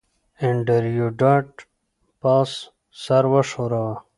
انډریو ډاټ باس سر وښوراوه